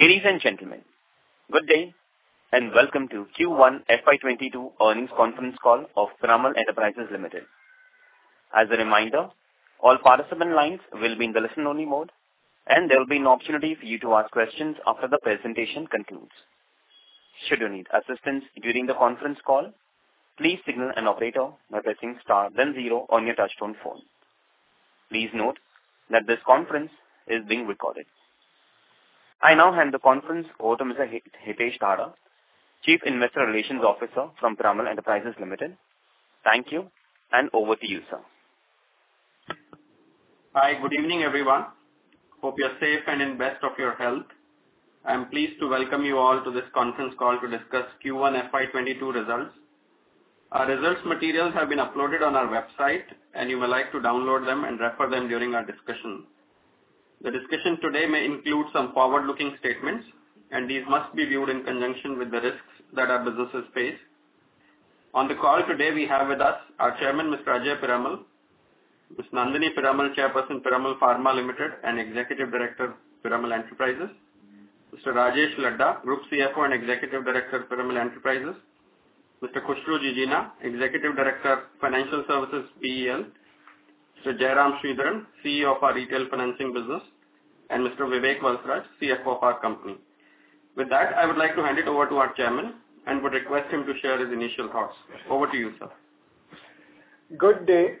Ladies and gentlemen, good day and welcome to Q1 FY 2022 earnings conference call of Piramal Enterprises Limited. As a reminder, all participant lines will be in the listen-only mode, and there will be an opportunity for you to ask questions after the presentation concludes. Should you need assistance during the conference call, please signal an operator by pressing star then zero on your touch-tone phone. Please note that this conference is being recorded. I now hand the conference over to Mr. Hitesh Dhaddha, Chief Investor Relations Officer from Piramal Enterprises Limited. Thank you, and over to you, sir. Hi. Good evening, everyone. Hope you're safe and in best of your health. I'm pleased to welcome you all to this conference call to discuss Q1 FY 2022 results. Our results materials have been uploaded on our website, and you are able to download them and refer them during our discussion. The discussion today may include some forward-looking statements, and these must be viewed in conjunction with the risks that our businesses face. On the call today, we have with us our Chairman, Mr. Ajay Piramal; Ms. Nandini Piramal, Chairperson, Piramal Pharma Limited, and Executive Director of Piramal Enterprises; Mr. Rajesh Laddha, Group CFO and Executive Director of Piramal Enterprises; Mr. Khushru Jijina, Executive Director, Financial Services, PEL; Mr. Jairam Sridharan, CEO of our Retail Financing business; and Mr. Vivek Valsaraj, CFO of our company. With that, I would like to hand it over to our Chairman and would request him to share his initial thoughts. Over to you, sir. Good day.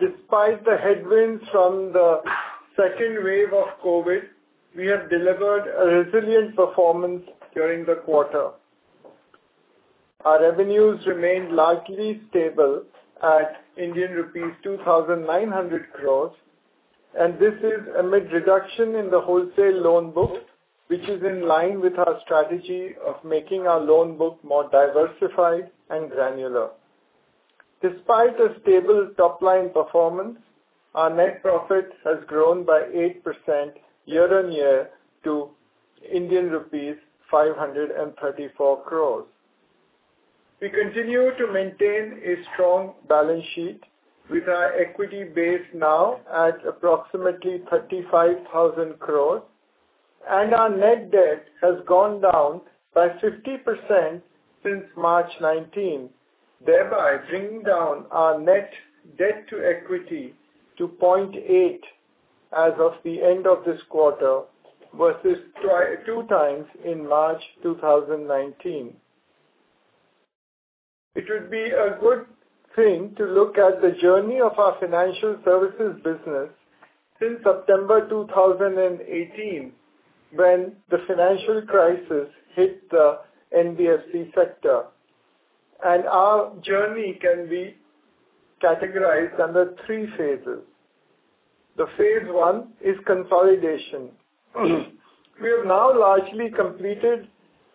Despite the headwinds from the second wave of COVID, we have delivered a resilient performance during the quarter. Our revenues remained largely stable at Indian rupees 2,900 crore, this is amid reduction in the wholesale loan book, which is in line with our strategy of making our loan book more diversified and granular. Despite a stable top-line performance, our net profit has grown by 8% year-on-year to Indian rupees 534 crore. We continue to maintain a strong balance sheet with our equity base now at approximately 35,000 crore, and our net debt has gone down by 50% since March 2019, thereby bringing down our net debt to equity to 0.8x as of the end of this quarter versus 2x in March 2019. It would be a good thing to look at the journey of our Financial Services business since September 2018, when the financial crisis hit the NBFC sector. Our journey can be categorized under three phases. The phase one is consolidation. We have now largely completed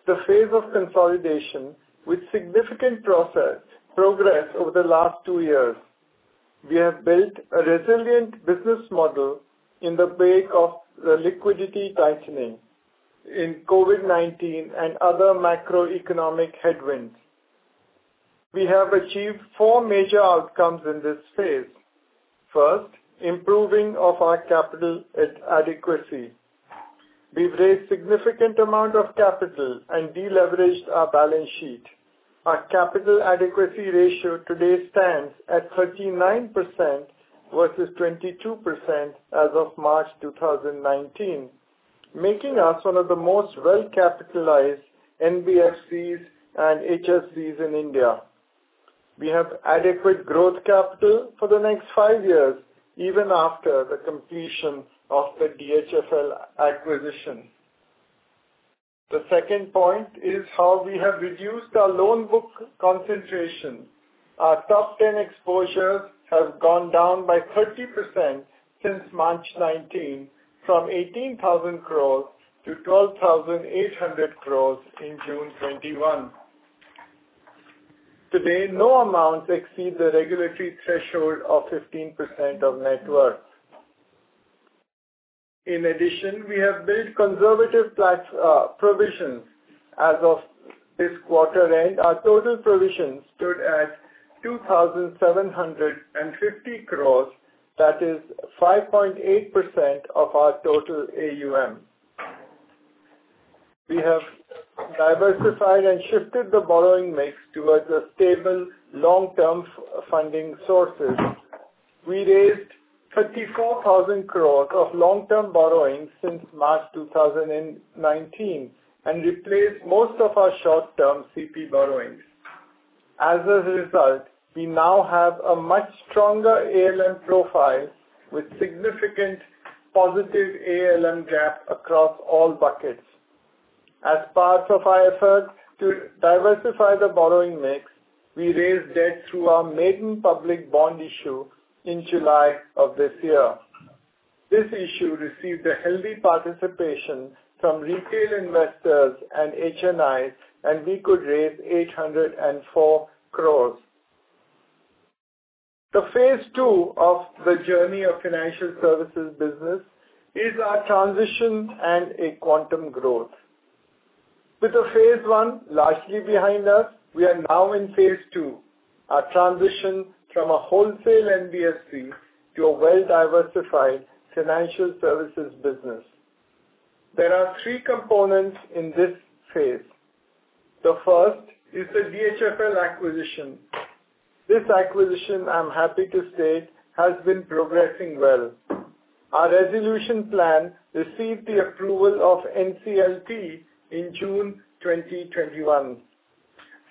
the phase of consolidation with significant progress over the last two years. We have built a resilient business model in the wake of the liquidity tightening in COVID-19 and other macroeconomic headwinds. We have achieved four major outcomes in this phase. First, improving of our capital adequacy. We've raised significant amount of capital and deleveraged our balance sheet. Our capital adequacy ratio today stands at 39% versus 22% as of March 2019, making us one of the most well-capitalized NBFCs and HFCs in India. We have adequate growth capital for the next five years, even after the completion of the DHFL acquisition. The second point is how we have reduced our loan book concentration. Our top 10 exposures have gone down by 30% since March 2019, from 18,000 crore to 12,800 crore in June 2021. Today, no amounts exceed the regulatory threshold of 15% of net worth. In addition, we have built conservative provisions. As of this quarter end, our total provisions stood at 2,750 crore, that is 5.8% of our total AUM. We have diversified and shifted the borrowing mix towards a stable long-term funding sources. We raised 34,000 crore of long-term borrowing since March 2019, and replaced most of our short-term CP borrowings. As a result, we now have a much stronger ALM profile with significant positive ALM gap across all buckets. As part of our efforts to diversify the borrowing mix, we raised debt through our maiden public bond issue in July of this year. This issue received a healthy participation from retail investors and HNI, and we could raise 804 crore. The phase two of the journey of Financial Services business is our transition and a quantum growth. With the phase one largely behind us, we are now in phase two, our transition from a wholesale NBFC to a well-diversified Financial Services business. There are three components in this phase. The first is the DHFL acquisition. This acquisition, I'm happy to say, has been progressing well. Our resolution plan received the approval of NCLT in June 2021.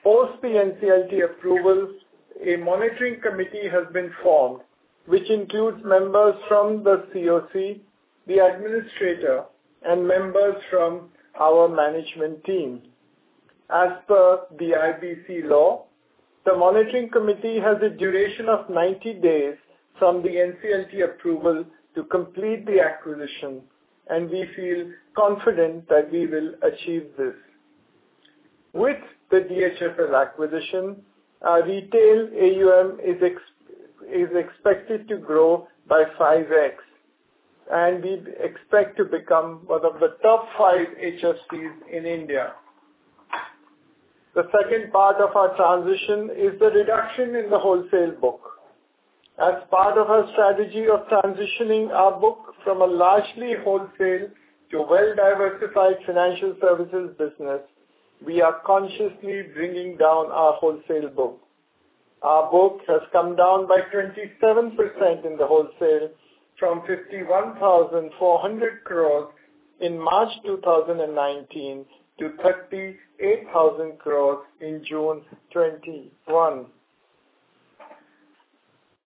Post the NCLT approval, a Monitoring Committee has been formed, which includes members from the CoC, the administrator, and members from our management team. As per the IBC law, the Monitoring Committee has a duration of 90 days from the NCLT approval to complete the acquisition, and we feel confident that we will achieve this. With the DHFL acquisition, our retail AUM is expected to grow by 5x. We expect to become one of the top five HFCs in India. The second part of our transition is the reduction in the wholesale book. As part of our strategy of transitioning our book from a largely wholesale to a well-diversified Financial Services business, we are consciously bringing down our wholesale book. Our book has come down by 27% in the wholesale from 51,400 crore in March 2019 to 38,000 crore in June 2021.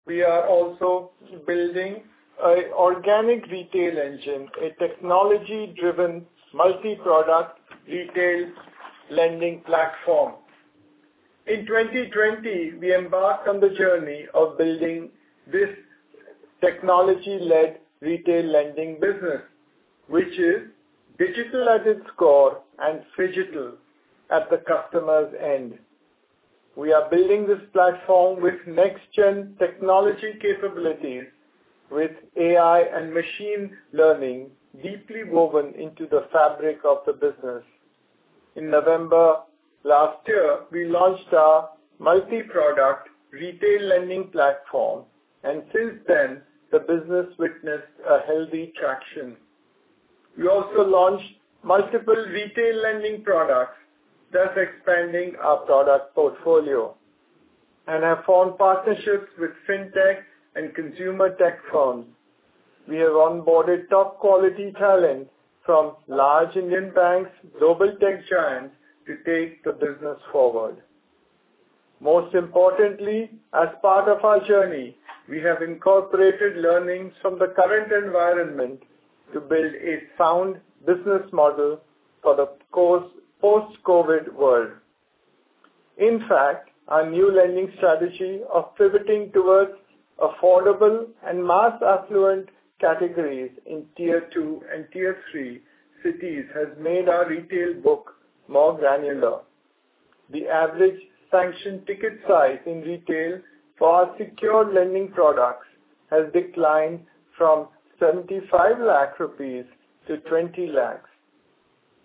We are also building an organic retail engine, a technology-driven multi-product retail lending platform. In 2020, we embarked on the journey of building this technology-led retail lending business, which is digital at its core and phygital at the customer's end. We are building this platform with next-gen technology capabilities with AI and machine learning deeply woven into the fabric of the business. In November last year, we launched our multi-product retail lending platform. Since then, the business witnessed a healthy traction. We also launched multiple retail lending products, thus expanding our product portfolio and have formed partnerships with fintech and consumer tech firms. We have onboarded top quality talent from large Indian banks, global tech giants to take the business forward. Most importantly, as part of our journey, we have incorporated learnings from the current environment to build a sound business model for the post-COVID world. In fact, our new lending strategy of pivoting towards affordable and mass affluent categories in Tier 2 and Tier 3 cities has made our retail book more granular. The average sanctioned ticket size in retail for our secured lending products has declined from 75 lakh rupees to 20 lakh.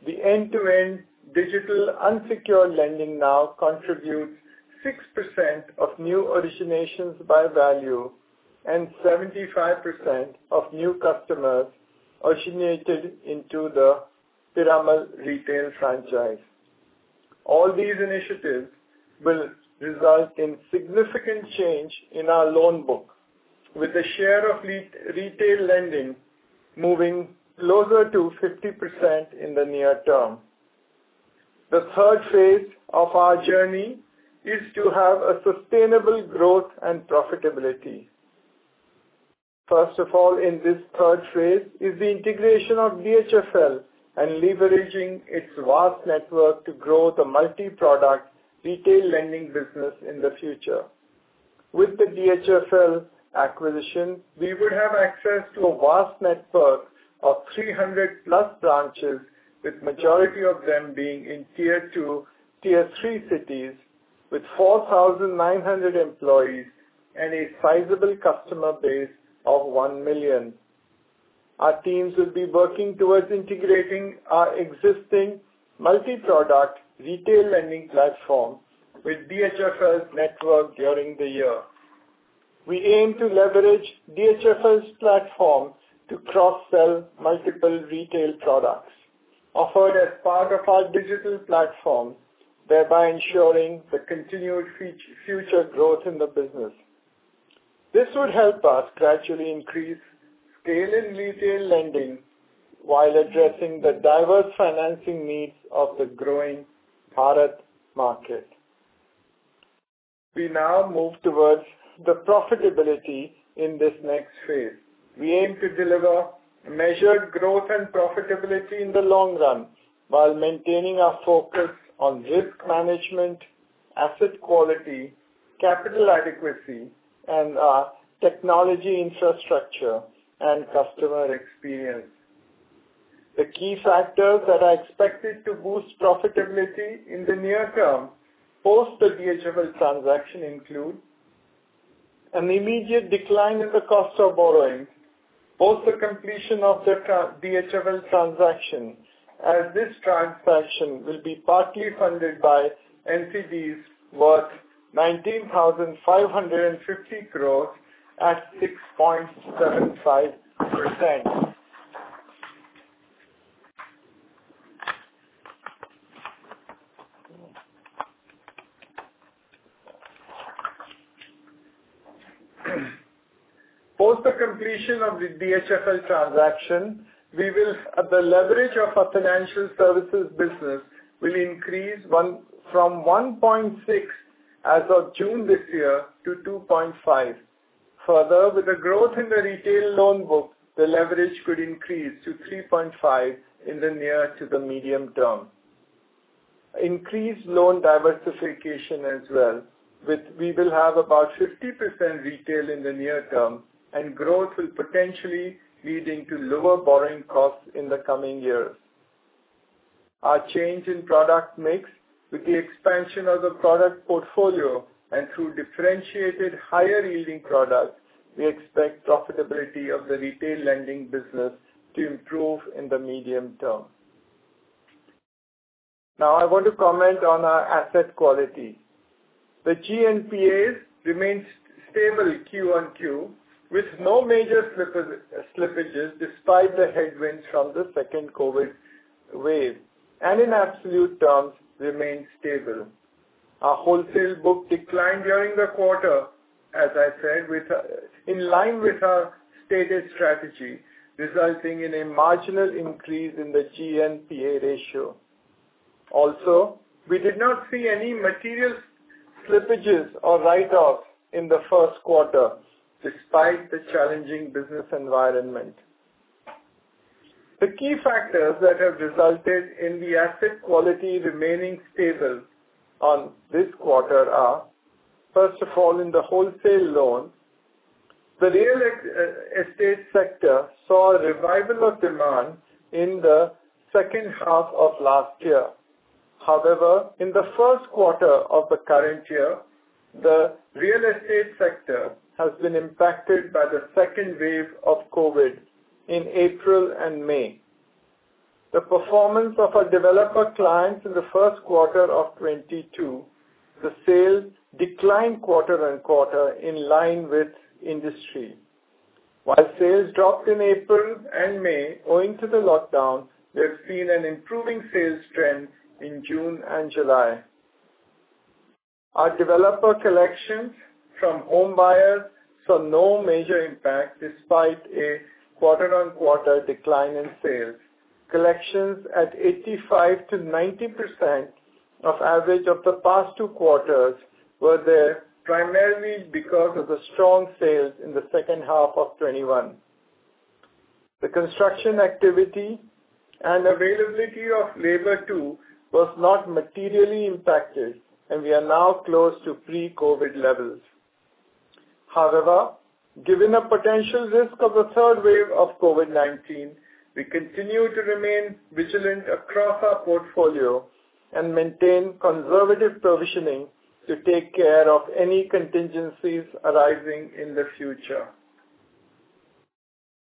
The end-to-end digital unsecured lending now contributes 6% of new originations by value and 75% of new customers originated into the Piramal Retail franchise. All these initiatives will result in significant change in our loan book with a share of retail lending moving closer to 50% in the near term. The third phase of our journey is to have a sustainable growth and profitability. First of all, in this third phase is the integration of DHFL and leveraging its vast network to grow the multi-product retail lending business in the future. With the DHFL acquisition, we would have access to a vast network of 300+ branches, with majority of them being in Tier 2, Tier 3 cities with 4,900 employees and a sizable customer base of 1 million. Our teams will be working towards integrating our existing multi-product retail lending platform with DHFL's network during the year. We aim to leverage DHFL's platform to cross-sell multiple retail products offered as part of our digital platform, thereby ensuring the continued future growth in the business. This would help us gradually increase scale in retail lending while addressing the diverse financing needs of the growing Bharat market. We now move towards the profitability in this next phase. We aim to deliver measured growth and profitability in the long run while maintaining our focus on risk management, asset quality, capital adequacy, and our technology infrastructure and customer experience. The key factors that are expected to boost profitability in the near term post the DHFL transaction include an immediate decline in the cost of borrowing post the completion of the DHFL transaction, as this transaction will be partly funded by NCDs worth INR 19,550 crore at 6.75%. Post the completion of the DHFL transaction, the leverage of our Financial Services business will increase from 1.6x as of June this year to 2.5x. Further, with the growth in the retail loan book, the leverage could increase to 3.5x in the near to the medium term. Increased loan diversification as well, we will have about 50% retail in the near term, and growth will potentially lead into lower borrowing costs in the coming years. Our change in product mix with the expansion of the product portfolio and through differentiated higher-yielding products, we expect profitability of the retail lending business to improve in the medium term. Now, I want to comment on our asset quality. The GNPA remains stable QoQ, with no major slippages despite the headwinds from the second COVID wave, and in absolute terms remains stable. Our wholesale book declined during the quarter, as I said, in line with our stated strategy, resulting in a marginal increase in the GNPA ratio. Also, we did not see any material slippages or write-offs in the first quarter despite the challenging business environment. The key factors that have resulted in the asset quality remaining stable on this quarter are: first of all, in the wholesale loans. The real estate sector saw a revival of demand in the second half of last year. However, in the first quarter of the current year, the real estate sector has been impacted by the second wave of COVID in April and May. The performance of our developer clients in the first quarter of FY 2022, the sales declined quarter-on-quarter in line with industry. While sales dropped in April and May owing to the lockdown, we have seen an improving sales trend in June and July. Our developer collections from home buyers saw no major impact despite a quarter-on-quarter decline in sales. Collections at 85%-90% of average of the past two quarters were there primarily because of the strong sales in the second half of 2021. The construction activity and availability of labor too was not materially impacted. We are now close to pre-COVID levels. However, given the potential risk of a third wave of COVID-19, we continue to remain vigilant across our portfolio and maintain conservative provisioning to take care of any contingencies arising in the future.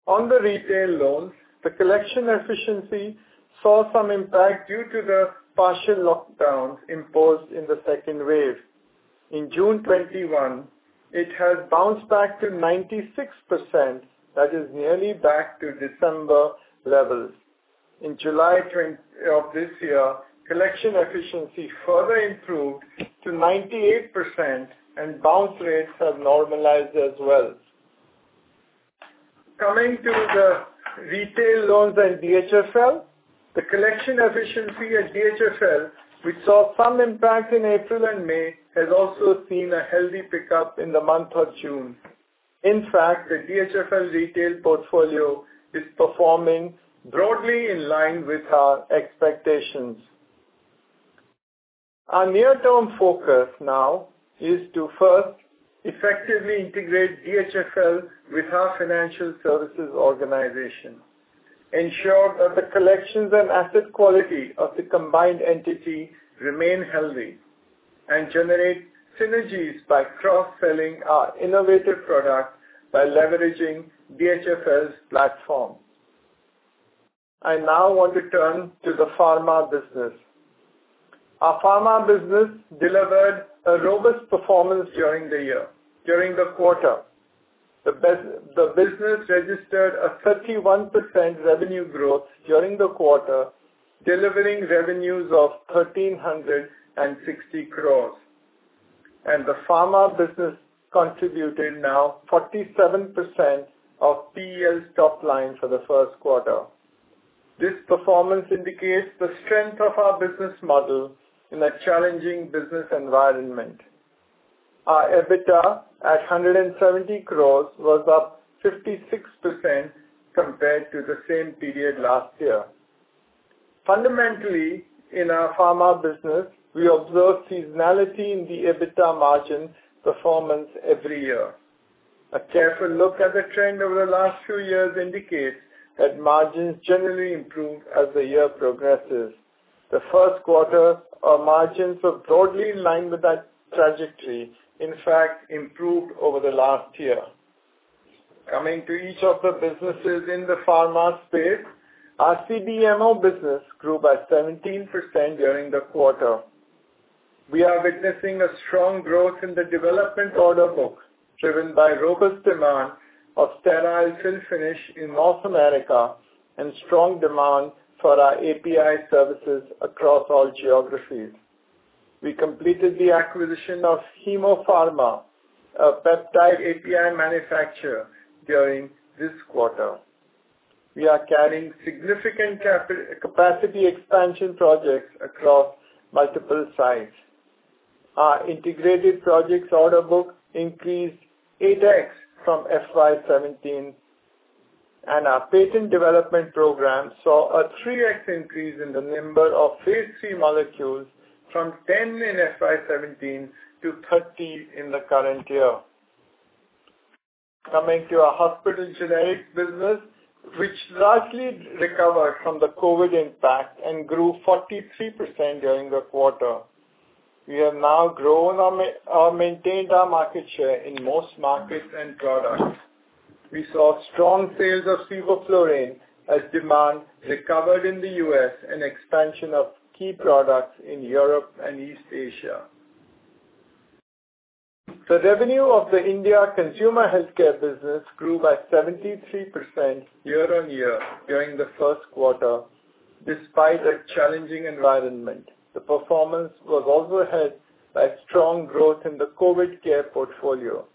On the retail loans, the collection efficiency saw some impact due to the partial lockdowns imposed in the second wave. In June 2021, it has bounced back to 96%, that is nearly back to December levels. In July of this year, collection efficiency further improved to 98%, and bounce rates have normalized as well. Coming to the retail loans at DHFL. The collection efficiency at DHFL, which saw some impact in April and May, has also seen a healthy pickup in the month of June. In fact, the DHFL retail portfolio is performing broadly in line with our expectations. Our near-term focus now is to first effectively integrate DHFL with our financial services organization, ensure that the collections and asset quality of the combined entity remain healthy, and generate synergies by cross-selling our innovative product by leveraging DHFL's platform. I now want to turn to the Pharma business. Our Pharma business delivered a robust performance during the quarter. The business registered a 31% revenue growth during the quarter, delivering revenues of 1,360 crore. The Pharma business contributed now 47% of PEL's top line for the first quarter. This performance indicates the strength of our business model in a challenging business environment. Our EBITDA at 170 crore was up 56% compared to the same period last year. Fundamentally, in our Pharma business, we observe seasonality in the EBITDA margin performance every year. A careful look at the trend over the last few years indicates that margins generally improve as the year progresses. The first quarter, our margins have broadly in line with that trajectory, in fact, improved over the last year. Coming to each of the businesses in the pharma space, our CDMO business grew by 17% during the quarter. We are witnessing a strong growth in the development order book, driven by robust demand of sterile fill finish in North America and strong demand for our API services across all geographies. We completed the acquisition of Hemmo Pharma, a peptide API manufacturer, during this quarter. We are carrying significant capacity expansion projects across multiple sites. Our integrated projects order book increased 8x from FY 2017, and our patent development program saw a 3x increase in the number of phase III molecules from 10 in FY 2017 to 30 in the current year. Coming to our Hospital Generic business, which largely recovered from the COVID impact and grew 43% during the quarter. We have now maintained our market share in most markets and products. We saw strong sales of sevoflurane as demand recovered in the U.S. and expansion of key products in Europe and East Asia. The revenue of the India Consumer Healthcare business grew by 73% year-on-year during the first quarter, despite a challenging environment. The performance was also helped by strong growth in the COVID care portfolio.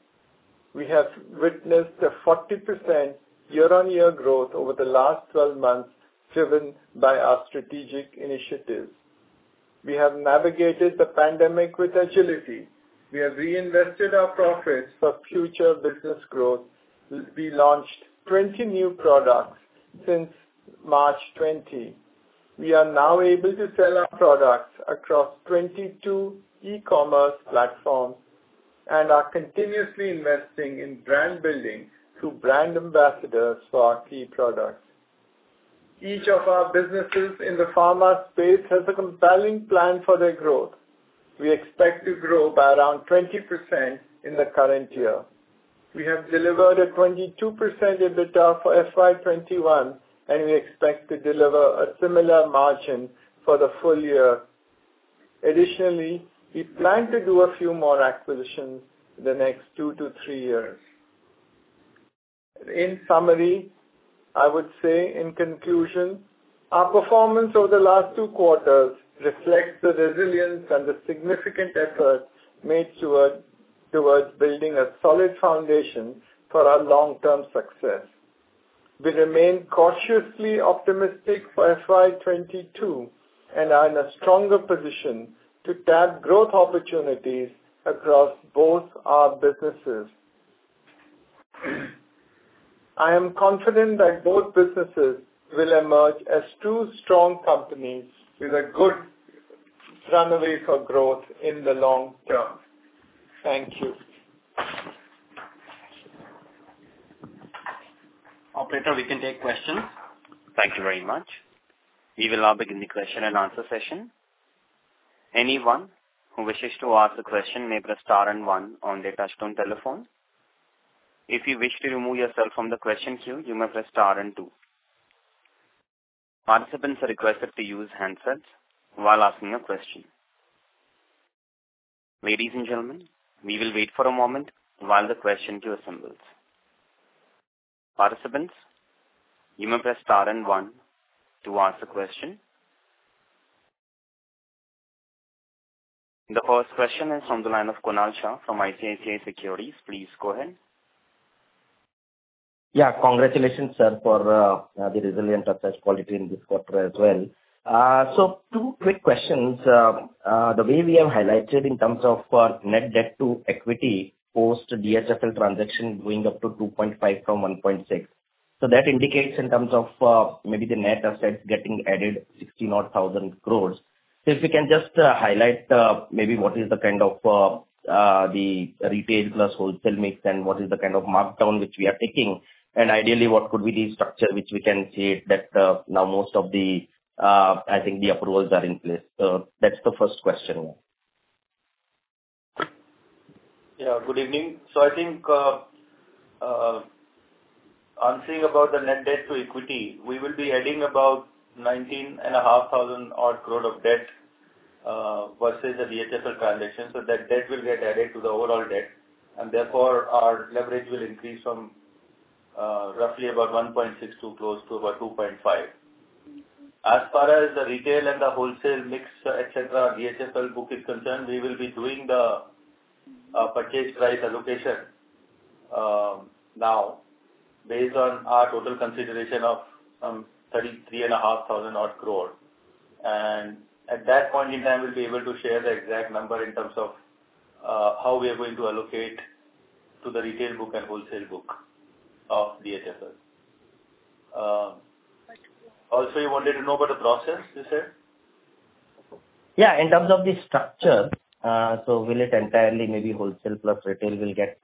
We have witnessed a 40% year-on-year growth over the last 12 months, driven by our strategic initiatives. We have navigated the pandemic with agility. We have reinvested our profits for future business growth. We launched 20 new products since March 2020. We are now able to sell our products across 22 e-commerce platforms and are continuously investing in brand building through brand ambassadors for our key products. Each of our businesses in the pharma space has a compelling plan for their growth. We expect to grow by around 20% in the current year. We have delivered a 22% EBITDA for FY 2021, and we expect to deliver a similar margin for the full year. Additionally, we plan to do a few more acquisitions in the next two to three years. In summary, I would say in conclusion, our performance over the last two quarters reflects the resilience and the significant effort made towards building a solid foundation for our long-term success. We remain cautiously optimistic for FY 2022, and are in a stronger position to tap growth opportunities across both our businesses. I am confident that both businesses will emerge as two strong companies with a good runway for growth in the long term. Thank you. Operator, we can take questions. Thank you very much. We will now begin the question-and-answer session. Anyone who wishes to ask a question may press star and one on their touch-tone telephone. If you wish to remove yourself from the question queue, you may press star and two. Participants are requested to use handsets while asking a question. Ladies and gentlemen, we will wait for a moment while the question queue assembles. Participants, you may press star and one to ask a question. The first question is from the line of Kunal Shah from ICICI Securities. Please go ahead. Congratulations, sir, for the resilient assets quality in this quarter as well. Two quick questions. The way we have highlighted in terms of net debt to equity post to DHFL transaction going up to 2.5x from 1.6x. That indicates in terms of maybe the net assets getting added 60,000-odd crore. If you can just highlight maybe what is the kind of the retail plus wholesale mix and what is the kind of markdown which we are taking, and ideally what could be the structure which we can see that now most of the approvals are in place? That's the first question. Yeah. Good evening. I think answering about the net debt to equity, we will be adding about 19,500-odd crore of debt, versus the DHFL transaction. That debt will get added to the overall debt. Therefore, our leverage will increase from roughly about 1.62x close to about 2.5x. As far as the retail and the wholesale mix, et cetera, DHFL book is concerned, we will be doing the purchase price allocation now, based on our total consideration of some 33,500-odd crore. At that point in time, we'll be able to share the exact number in terms of how we are going to allocate to the retail book and wholesale book of DHFL. Also you wanted to know about the process, you said? Yeah, in terms of the structure. Will it entirely maybe wholesale plus retail will get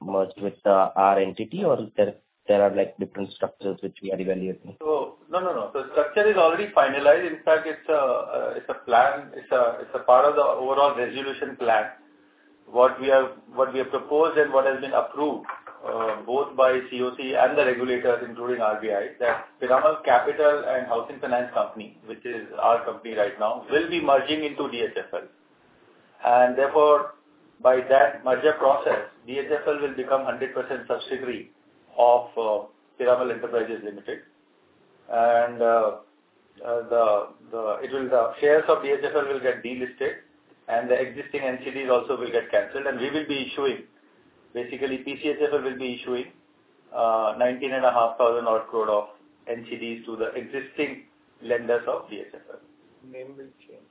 merged with our entity or there are different structures which we are evaluating? No, no. The structure is already finalized. In fact, it's a part of the overall resolution plan. What we have proposed and what has been approved, both by CoC and the regulators, including RBI, that Piramal Capital & Housing Finance Limited, which is our company right now, will be merging into DHFL. Therefore, by that merger process, DHFL will become 100% subsidiary of Piramal Enterprises Limited. The shares of DHFL will get delisted and the existing NCDs also will get canceled. Basically, PCHFL will be issuing 19,500-odd crore of NCDs to the existing lenders of DHFL. Name will change.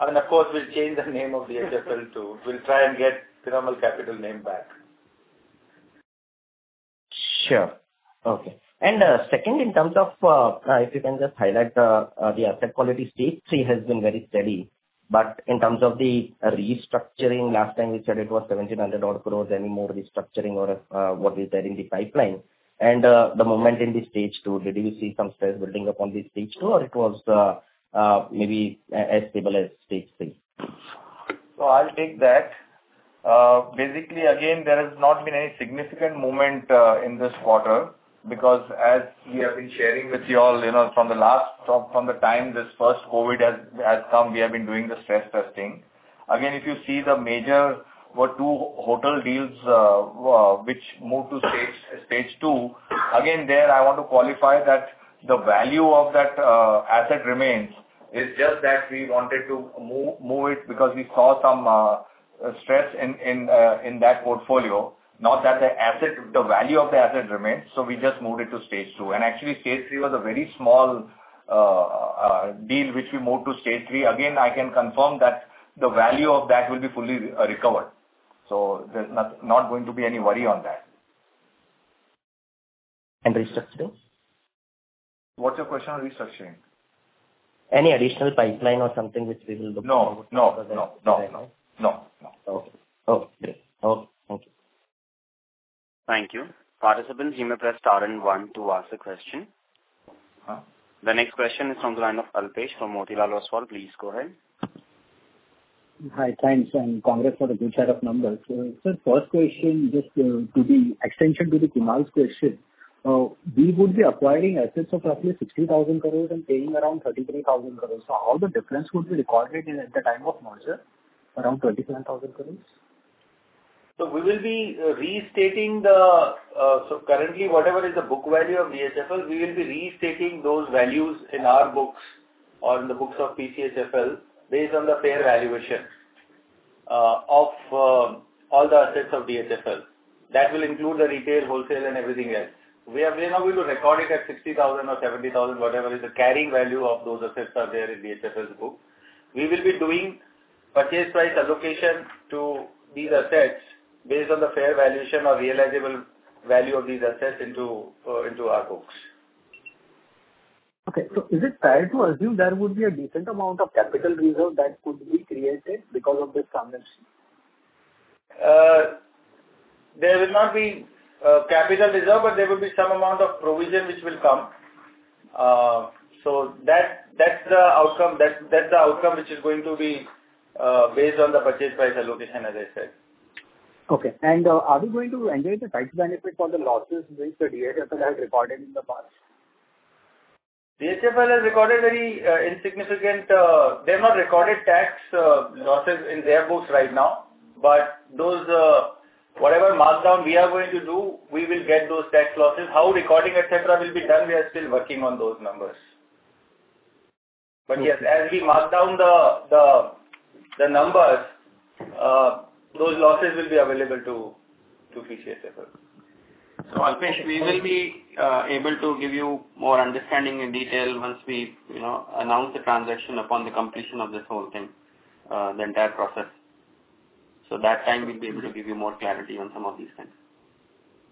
Of course, we'll change the name of DHFL too. We'll try and get Piramal Capital name back. Sure. Okay. Second, if you can just highlight the asset quality. Stage 3 has been very steady. In terms of the restructuring, last time you said it was 1,700 odd crore. Any more restructuring or what is there in the pipeline? The movement in the Stage 2, did you see some stress building up on the Stage 2, or it was maybe as stable as Stage 3? I'll take that. Basically, again, there has not been any significant movement in this quarter because as we have been sharing with you all from the time this first COVID has come, we have been doing the stress testing. If you see the major two hotel deals which moved to Stage 2. There I want to qualify that the value of that asset remains. It's just that we wanted to move it because we saw some stress in that portfolio, not that the asset. The value of the asset remains, so we just moved it to Stage 2. Actually, Stage 3 was a very small deal which we moved to Stage 3. I can confirm that the value of that will be fully recovered. There's not going to be any worry on that. Restructuring? What's your question on restructuring? Any additional pipeline or something which we will. No. No. No. No. Okay. Thank you. Participants, you may press star and one to ask the question. The next question is on the line of Alpesh from Motilal Oswal. Please go ahead. Hi. Thanks, and congrats for the good set of numbers. First question, just to the extension to Kunal's question. We would be acquiring assets of roughly 60,000 crore and paying around 33,000 crore. How the difference would be recorded at the time of merger, around 27,000 crore? Currently, whatever is the book value of DHFL, we will be restating those values in our books or in the books of PCHFL based on the fair valuation of all the assets of DHFL. That will include the retail, wholesale, and everything else. We are now going to record it at 60,000 or 70,000, whatever is the carrying value of those assets are there in DHFL's book. We will be doing purchase price allocation to these assets based on the fair valuation or realizable value of these assets into our books. Okay. Is it fair to assume there would be a decent amount of capital reserve that could be created because of this transaction? There will not be a capital reserve, but there will be some amount of provision which will come. That's the outcome which is going to be based on the purchase price allocation, as I said. Okay. Are we going to enjoy the tax benefit for the losses which the DHFL has recorded in the past? They have not recorded tax losses in their books right now. Whatever markdown we are going to do, we will get those tax losses. How recording, et cetera, will be done, we are still working on those numbers. Yes, as we mark down the numbers, those losses will be available to PCHFL. Alpesh, we will be able to give you more understanding and detail once we announce the transaction upon the completion of this whole thing, the entire process. That time we will be able to give you more clarity on some of these things.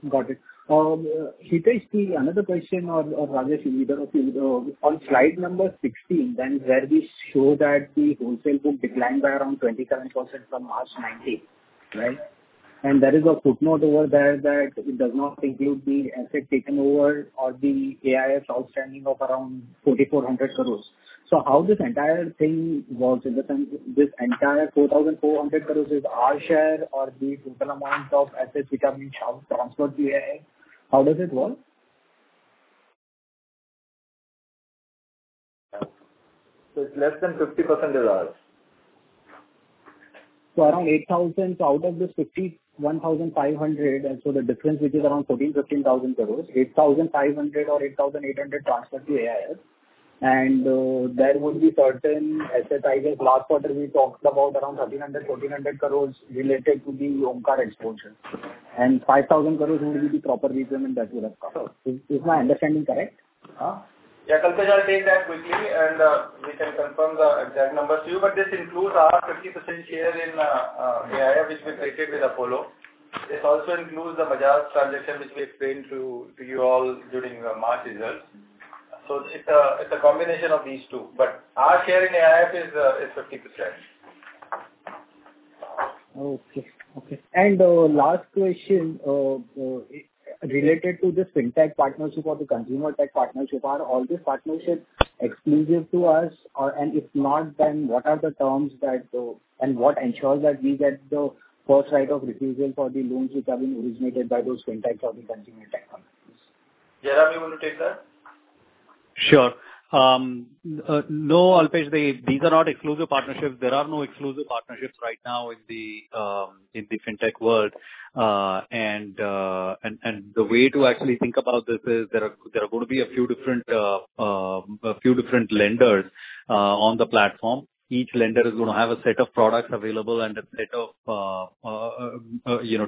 Got it, Hitesh. Another question for Rajesh, either of you. On slide number 16, then where we show that the wholesale book declined by around 27% from March 2019. Right? There is a footnote over there that it does not include the asset taken over or the AIF outstanding of around 4,400 crore. How this entire thing works? In the sense, this entire 4,400 crore is our share, or the total amount of assets which have been transferred to AIF. How does it work? It's less than 50% is ours. Around 8,000 crore out of this 51,500 crore. So, the difference, which is around 14,000-15,000 crore. 8,500 crore or 8,800 crore transferred to AIF. There would be certain asset, I guess, last quarter we talked about around 1,300 crore-1,400 crore related to the Omkar exposure. 5,000 crore would be the proper repayment that would have come. Is my understanding correct? Yeah, Alpesh, I'll take that quickly. We can confirm the exact numbers to you. This includes our 50% share in AIF, which we created with Apollo. This also includes the Majas transaction which we explained to you all during the March results. It's a combination of these two, but our share in AIF is 50%. Okay. Last question, related to the fintech partnership or the consumer tech partnership. Are all these partnerships exclusive to us? If not, then what are the terms, and what ensures that we get the first right of refusal for the loans which have been originated by those fintech or the consumer tech companies? Jairam, do you want to take that? Sure. No, Alpesh, these are not exclusive partnerships. There are no exclusive partnerships right now in the fintech world. The way to actually think about this is there are going to be a few different lenders on the platform. Each lender is going to have a set of products available and a set of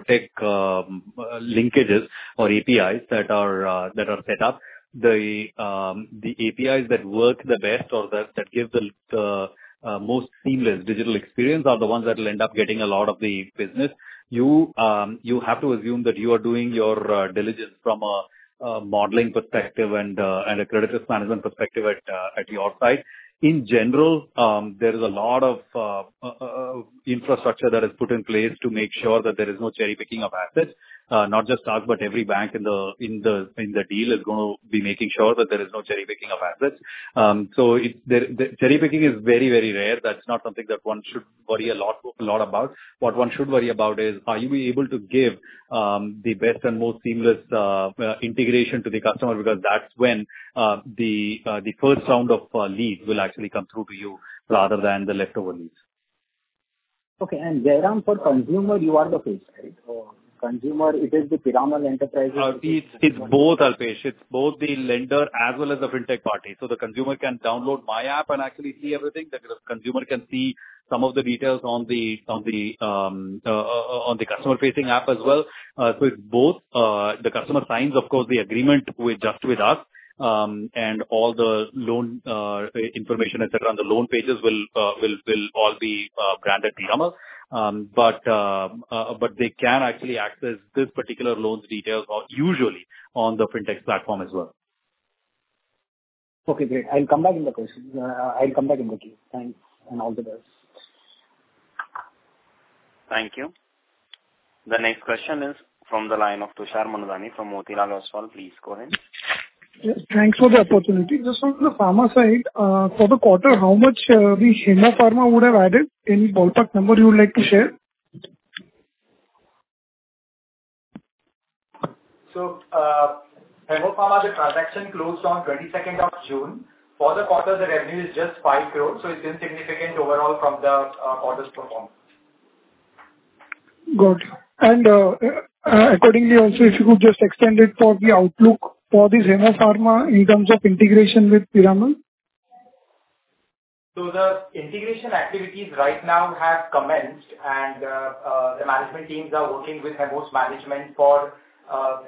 tech linkages or APIs that are set up. The APIs that work the best or that give the most seamless digital experience are the ones that will end up getting a lot of the business. You have to assume that you are doing your diligence from a modeling perspective and a credit risk management perspective at your side. In general, there is a lot of infrastructure that is put in place to make sure that there is no cherry-picking of assets. Not just us, but every bank in the deal is going to be making sure that there is no cherry-picking of assets. Cherry-picking is very rare. That's not something that one should worry a lot about. What one should worry about is, are you able to give the best and most seamless integration to the customer? That's when the first round of leads will actually come through to you rather than the leftover leads. Okay. Jairam, for consumer, you are the face, right? For consumer, it is the Piramal Enterprises? It's both, Alpesh. It's both the lender as well as the fintech party. The consumer can download my app, and actually see everything. The consumer can see some of the details on the customer-facing app as well. It's both. The customer signs, of course, the agreement just with us. All the loan information, et cetera, on the loan pages will all be branded Piramal. They can actually access this particular loan's details usually on the fintech's platform as well. Okay, great. I'll come back with the question. I'll come back with the queue. Thanks, and all the best. Thank you. The next question is from the line of Tushar Manudhane from Motilal Oswal. Please go ahead. Yes, thanks for the opportunity. Just on the pharma side. For the quarter, how much the Hemmo Pharma would have added? Any ballpark number you would like to share? Hemmo Pharma, the transaction closed on 22nd of June. For the quarter, the revenue is just 5 crore, so it's insignificant overall from the quarter's performance. Got it. Accordingly also, if you could just extend it for the outlook for this Hemmo Pharma in terms of integration with Piramal? The integration activities right now have commenced and the management teams are working with Hemmo's management for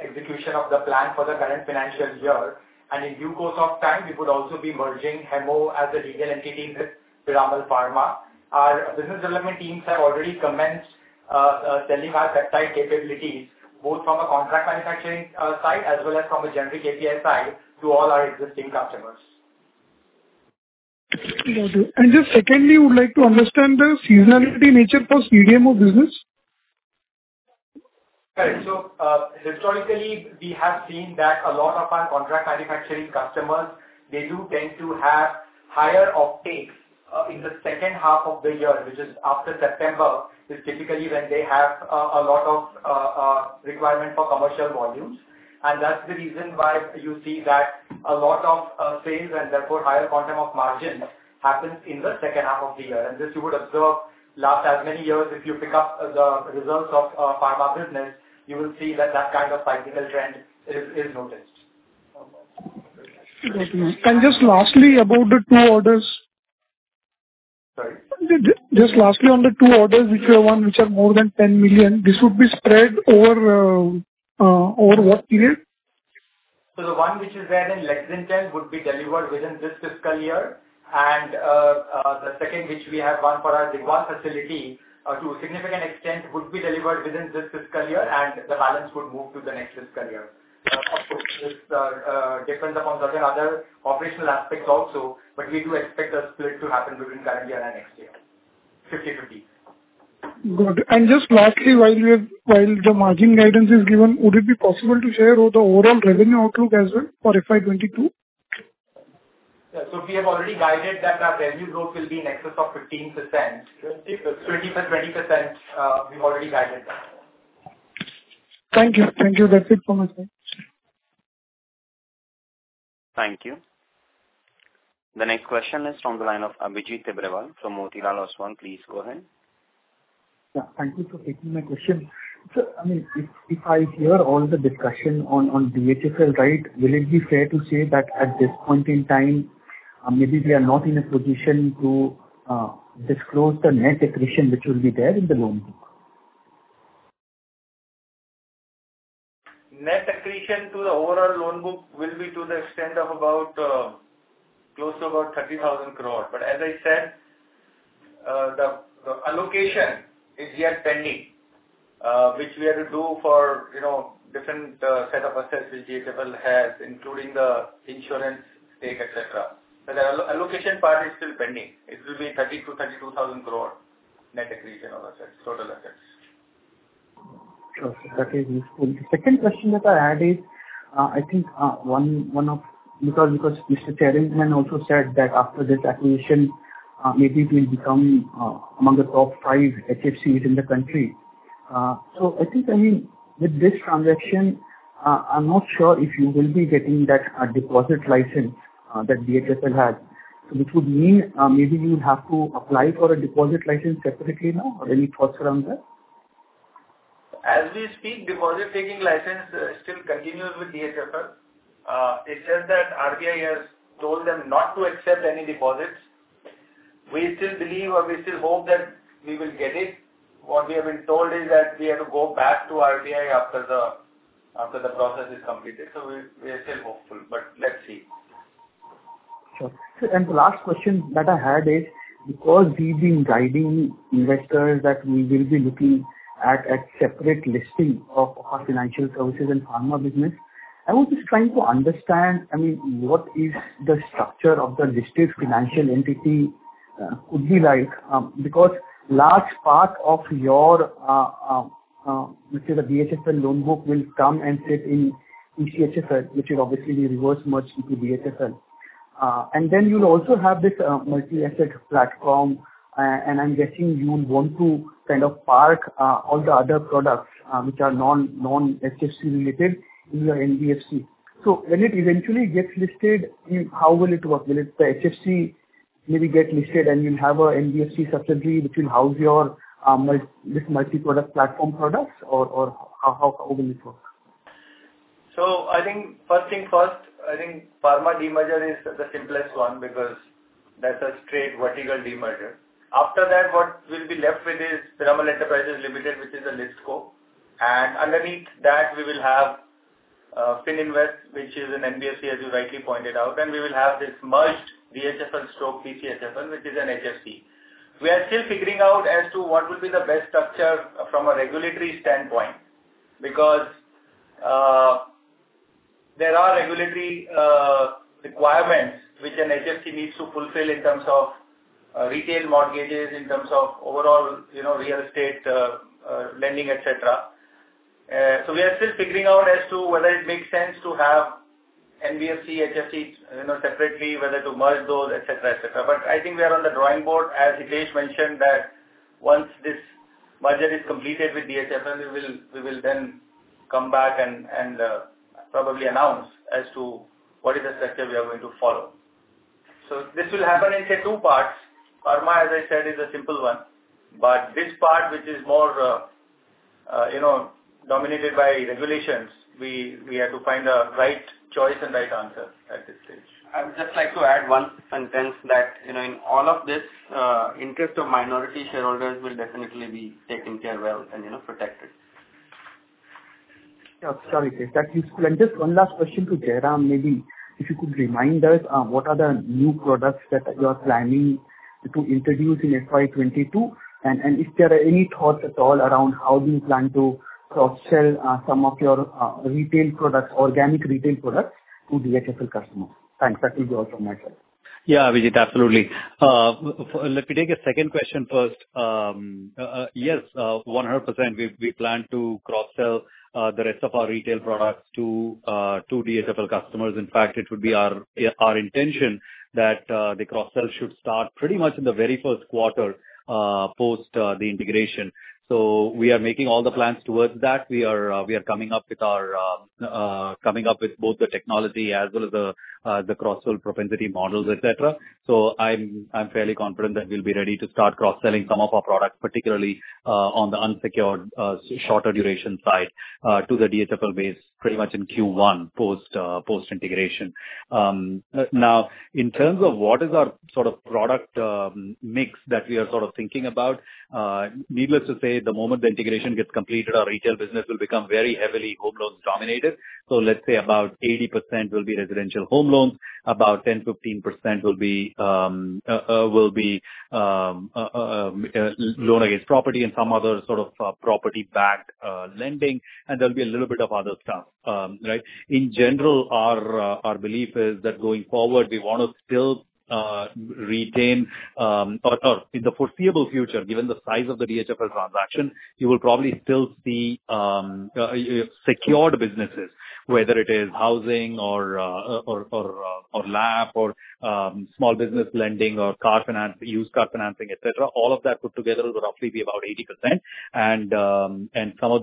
execution of the plan for the current financial year. In due course of time, we could also be merging Hemmo as a legal entity with Piramal Pharma. Our business development teams have already commenced selling our peptide capabilities, both from a contract manufacturing side as well as from a generic API side to all our existing customers. Got it. Just secondly, would like to understand the seasonality nature for CDMO business. Right. Historically, we have seen that a lot of our contract manufacturing customers do tend to have higher uptakes in the second half of the year, which is after September, is typically when they have a lot of requirement for commercial volumes. That's the reason why you see that a lot of sales and therefore higher quantum of margins happens in the second half of the year. This you would observe last as many years, if you pick up the results of Pharma business, you will see that that kind of cyclical trend is noticed. Got you. Just lastly, about the two orders. Sorry? Just lastly, on the two orders which you have won, which are more than $10 million. This would be spread over what period? The one which is there in Lexington would be delivered within this fiscal year. The second, which we have won for our Digwal facility to a significant extent, would be delivered within this fiscal year and the balance would move to the next fiscal year. Of course, this depends upon certain other operational aspects also, but we do expect the split to happen between current year and next year. 50/50. Good. Just lastly, while the margin guidance is given, would it be possible to share the overall revenue outlook as well for FY 2022? Yeah. We have already guided that our revenue growth will be in excess of 15%. 15%-20%, we've already guided that. Thank you. That's it from my side. Thank you. The next question is from the line of Abhijit Tibrewal from Motilal Oswal. Please go ahead. Yeah, thank you for taking my question. If I hear all the discussion on DHFL, will it be fair to say that at this point in time, maybe we are not in a position to disclose the net attrition which will be there in the loan book? Net accretion to the overall loan book will be to the extent of close to 30,000 crore. As I said, the allocation is yet pending, which we have to do for different set of assets which DHFL has, including the insurance stake, et cetera. The allocation part is still pending. It will be 30,000 crore-32,000 crore net accretion on total assets. Okay. That is useful. The second question that I had is, because Mr. Chairman also said that after this acquisition, maybe it will become among the top five HFCs within the country. I think with this transaction, I'm not sure if you will be getting that deposit license that DHFL has, which would mean maybe you'll have to apply for a deposit license separately now or any thoughts around that? As we speak, deposit-taking license still continues with DHFL. It's just that RBI has told them not to accept any deposits. We still believe or we still hope that we will get it. What we have been told is that we have to go back to RBI after the process is completed. We are still hopeful, but let's see. Sure. The last question that I had is, because we've been guiding investors that we will be looking at a separate listing of our Financial Services and Pharma business. I was just trying to understand, what is the structure of the listed financial entity could be like? Large part of your, let's say, the DHFL loan book will come and sit in PCHFL, which will obviously be reverse merged into DHFL. Then you'll also have this multi-asset platform, and I'm guessing you want to kind of park all the other products which are non-HFC related in your NBFC. When it eventually gets listed, how will it work? Will it the HFC maybe get listed and you'll have a NBFC subsidiary which will house your multi-product platform products, or how will it work? I think first things first, I think pharma demerger is the simplest one because that's a straight vertical demerger. After that, what we'll be left with is Piramal Enterprises Limited, which is a listco. Underneath that, we will have Fininvest, which is an NBFC, as you rightly pointed out. We will have this merged DHFL stroke PCHFL which is an HFC. We are still figuring out as to what will be the best structure from a regulatory standpoint, because there are regulatory requirements which an HFC needs to fulfill in terms of retail mortgages, in terms of overall real estate lending, et cetera. We are still figuring out as to whether it makes sense to have NBFC, HFC separately. Whether to merge those, et cetera. I think we are on the drawing board. As Hitesh mentioned that once this merger is completed with DHFL, we will then come back and probably announce as to what is the structure we are going to follow. This will happen in, say, two parts. Pharma, as I said, is a simple one. This part which is more dominated by regulations, we have to find a right choice and right answer at this stage. I would just like to add one sentence that in all of this, interest of minority shareholders will definitely be taken care well and protected. Yeah, sorry. That's useful. Just one last question to Jairam. Maybe if you could remind us what are the new products that you're planning to introduce in FY 2022? If there are any thoughts at all around how do you plan to cross-sell some of your retail products, organic retail products to DHFL customers? Thanks. That will be all from my side. Yeah, Abhijit, absolutely. Let me take the second question first. 100%, we plan to cross-sell the rest of our retail products to DHFL customers. It would be our intention that the cross-sell should start pretty much in the very first quarter post the integration. We are making all the plans towards that. We are coming up with both the technology as well as the cross-sell propensity models, et cetera. I'm fairly confident that we'll be ready to start cross-selling some of our products, particularly on the unsecured shorter duration side to the DHFL base pretty much in Q1 post-integration. In terms of what is our sort of product mix that we are sort of thinking about. Needless to say, the moment the integration gets completed, our retail business will become very heavily home loans dominated. Let's say about 80% will be residential home loans, about 10%-15% will be loan against property and some other sort of property-backed lending, and there will be a little bit of other stuff. In general, our belief is that going forward, we want to still retain or in the foreseeable future, given the size of the DHFL transaction, you will probably still see secured businesses. Whether it is housing or LAP or small business lending or used car financing, et cetera. All of that put together will roughly be about 80%. Some of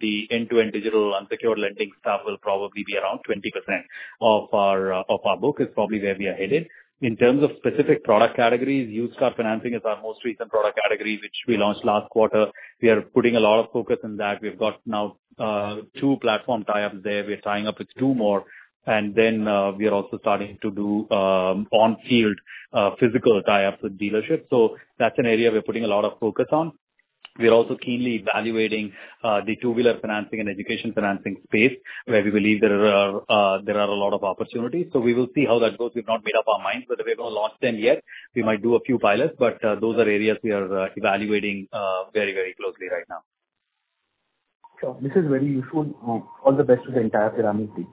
the end-to-end digital unsecured lending stuff will probably be around 20% of our book is probably where we are headed. In terms of specific product categories, used car financing is our most recent product category, which we launched last quarter. We are putting a lot of focus on that. We've got now two platform tie-ups there. We are tying up with two more, and then we are also starting to do on-field physical tie-ups with dealerships. That's an area we're putting a lot of focus on. We are also keenly evaluating the two-wheeler financing and education financing space, where we believe there are a lot of opportunities. We will see how that goes. We've not made up our minds, whether we're going to launch them yet. We might do a few pilots, but those are areas we are evaluating very closely right now. Sure. This is very useful. All the best to the entire Piramal team.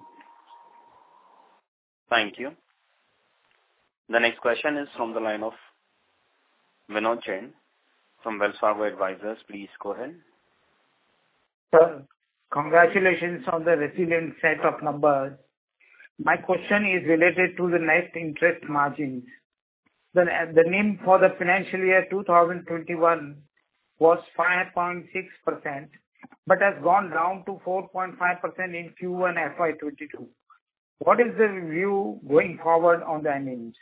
Thank you. The next question is from the line of Vinod Jain from Wells Fargo Advisors. Please go ahead. Sir, congratulations on the resilient set of numbers. My question is related to the net interest margins. The NIM for the financial year 2021 was 5.6%, but has gone down to 4.5% in Q1 FY 2022. What is the view going forward on the NIMs?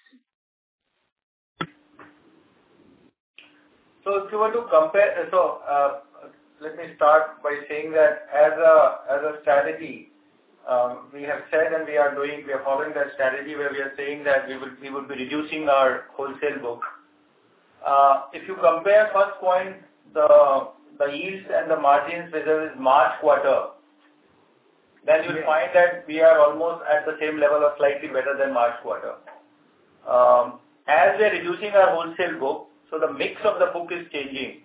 Let me start by saying that as a strategy, we have said and we are following that strategy where we are saying that we will be reducing our wholesale book. If you compare first point, the yields and the margins whether it is March quarter, then you'll find that we are almost at the same level or slightly better than March quarter. As we are reducing our wholesale book, so the mix of the book is changing.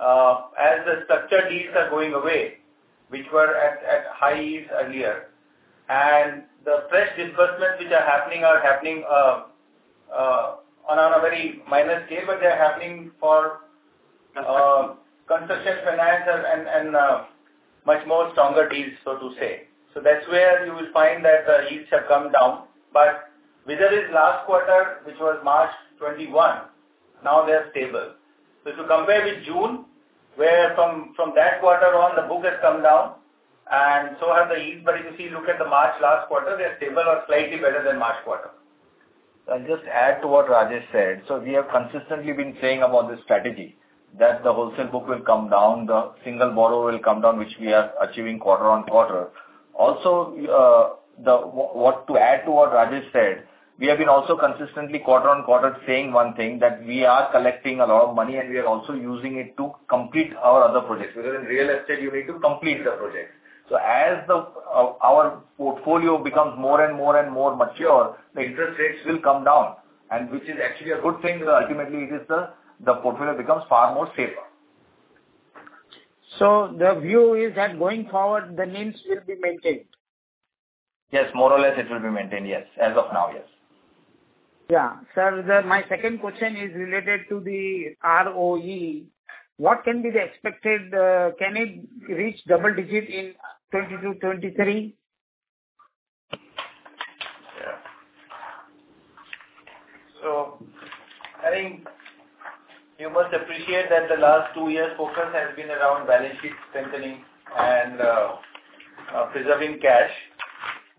As the structured yields are going away, which were at high yields earlier, and the fresh disbursements which are happening are happening on a very minor scale. But they're happening for construction finance, and now much more stronger deals, so to say. That's where you will find that the yields have come down. Whether it's last quarter, which was March 2021, now they're stable. If you compare with June, where from that quarter on, the book has come down, so have the yields. If you look at the March last quarter, they're stable or slightly better than March quarter. I'll just add to what Rajesh said. We have consistently been saying about this strategy that the wholesale book will come down, the single borrower will come down, which we are achieving quarter-on-quarter. Also, what to add to what Rajesh said, we have been also consistently quarter-on-quarter saying one thing, that we are collecting a lot of money and we are also using it to complete our other projects. Because in real estate, you need to complete the project. As our portfolio becomes more and more mature, the interest rates will come down, and which is actually a good thing because ultimately the portfolio becomes far more safer. The view is that going forward, the NIMs will be maintained? Yes, more or less it will be maintained, yes. As of now, yes. Yeah. Sir, my second question is related to the ROE. Can it reach double digit in 2022-2023? Yeah. I think you must appreciate that the last two years' focus has been around balance sheet strengthening and preserving cash.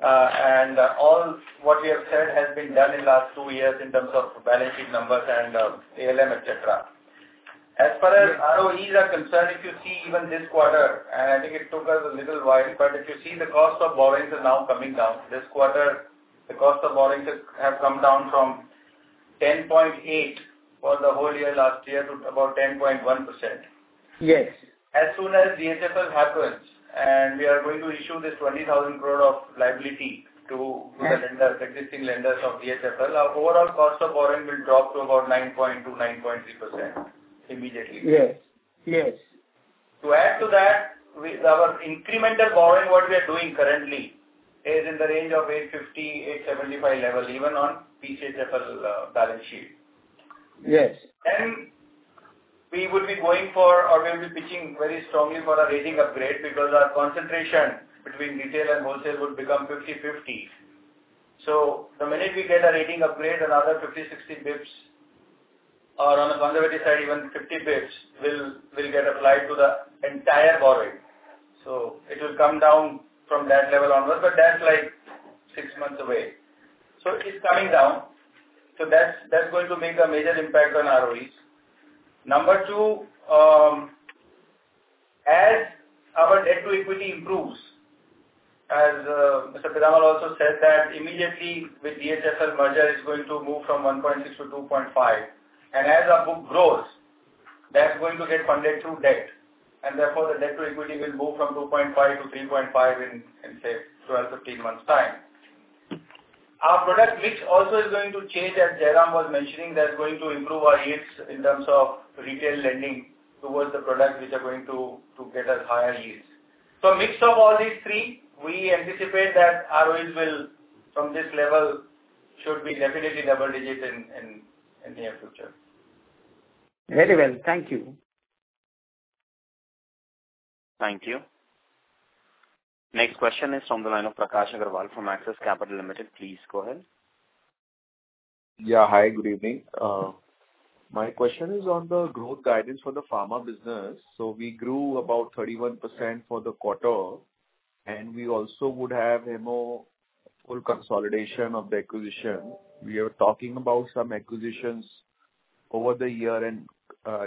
All what we have said has been done in last two years in terms of balance sheet numbers and ALM, et cetera. As far as ROEs are concerned, if you see even this quarter, I think it took us a little while, but if you see the cost of borrowings is now coming down. This quarter, the cost of borrowings have come down from 10.8% for the whole year last year to about 10.1%. Yes. As soon as DHFL happens, we are going to issue this 20,000 crore of liability to the existing lenders of DHFL. Our overall cost of borrowing will drop to about 9.2%-9.3% immediately. Yes. To add to that, our incremental borrowing, what we are doing currently is in the range of 8.50%-8.75% levels, even on PCHFL's balance sheet. Yes. We will be going for or we'll be pitching very strongly for a rating upgrade because our concentration between retail and wholesale would become 50/50. The minute we get a rating upgrade, another 50 basis points-60 basis points or on a conservative side even 50 basis points will get applied to the entire borrowing. It will come down from that level onwards, but that's six months away. It is coming down. That's going to make a major impact on ROEs. Number two, as our debt to equity improves, as Mr. Piramal also said that immediately with DHFL merger is going to move from 1.6x to 2.5x. As our book grows, that's going to get funded through debt. Therefore, the debt to equity will move from 2.5x to 3.5x in, say, 12months, 15 months time. Our product mix also is going to change, as Jairam was mentioning. That's going to improve our yields in terms of retail lending towards the products which are going to get us higher yields. Mix of all these three. We anticipate that ROEs will, from this level, should be definitely double digit in near future. Very well. Thank you. Thank you. Next question is from the line of Prakash Agarwal from Axis Capital Limited. Please go ahead. Yeah. Hi, good evening. My question is on the growth guidance for the Pharma business. We grew about 31% for the quarter, and we also would have Hemmo full consolidation of the acquisition. We are talking about some acquisitions over the year, and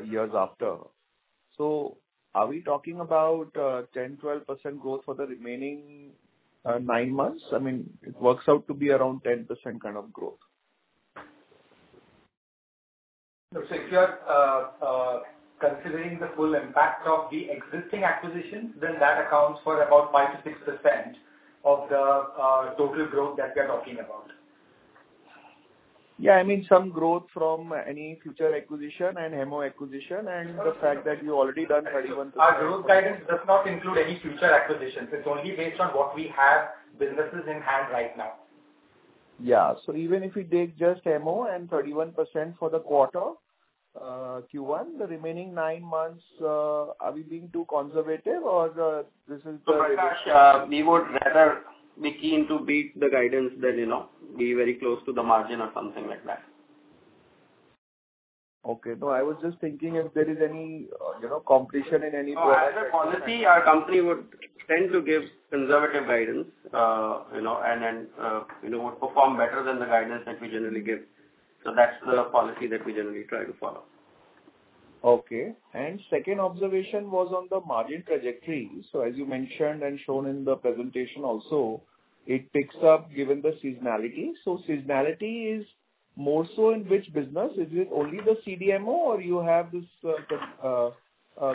years after. Are we talking about 10%-12% growth for the remaining nine months? I mean, it works out to be around 10% kind of growth. If you are considering the full impact of the existing acquisition, that accounts for about 5%-6% of the total growth that we are talking about. Yeah, I mean some growth from any future acquisition and Hemmo acquisition and the fact that you've already done 31%. Our growth guidance does not include any future acquisitions. It's only based on what we have, businesses in hand right now. Yeah. Even if we take just Hemmo and 31% for the quarter, Q1, the remaining nine months, are we being too conservative? Prakash, we would rather be keen to beat the guidance than be very close to the margin or something like that. Okay. No, I was just thinking if there is any competition in any- No, as a policy, our company would tend to give conservative guidance, and then we perform better than the guidance that we generally give. That's the policy that we generally try to follow. Okay. Second observation was on the margin trajectory. As you mentioned and shown in the presentation also, it picks up given the seasonality. Seasonality is more so in which business? Is it only the CDMO, or you have this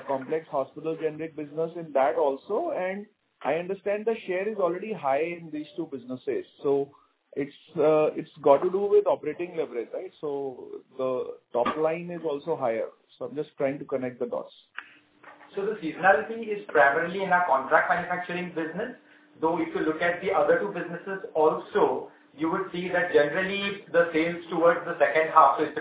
Complex Hospital Generics business in that also? I understand the share is already high in these two businesses. It's got to do with operating leverage, right? The top line is also higher. I'm just trying to connect the dots. The seasonality is primarily in our contract manufacturing business. Though if you look at the other two businesses also, you would see that generally the sales towards the second half. It's